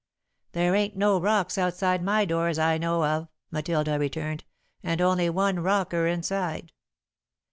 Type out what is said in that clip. "There ain't no rocks outside my door as I know of," Matilda returned, "and only one rocker inside."